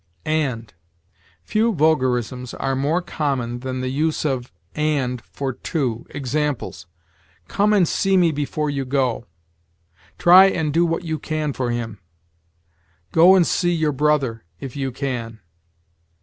AND. Few vulgarisms are more common than the use of and for to. Examples: "Come and see me before you go"; "Try and do what you can for him"; "Go and see your brother, if you can."